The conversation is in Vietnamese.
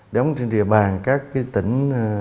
đóng trên địa bàn các tỉnh